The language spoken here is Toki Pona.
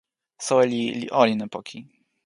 soweli li olin e poki.